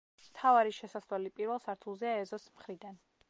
მთავარი შესასვლელი პირველ სართულზეა ეზოს მხრიდან.